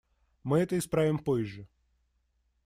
Мы это исправим позже.